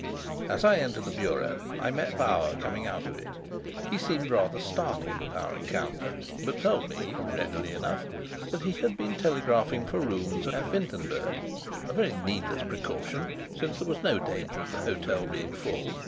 As I entered the bureau I met Bauer coming out of it. He seemed rather startled at our encounter, but told me readily enough that he had been telegraphing for rooms at Wintenberg, a very needless precaution, since there was no danger of the hotel being full.